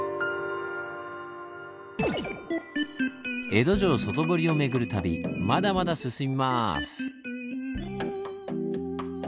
江戸城外堀を巡る旅まだまだ進みます！